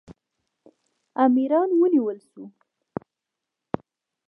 امیران ونیول شول.